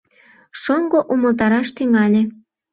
— Шоҥго умылтараш тӱҥале.